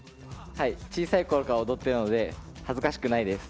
小さいころから踊ってるので恥ずかしくないです。